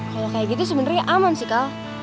kalau kayak gitu sebenarnya aman sih kal